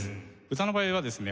歌の場合はですね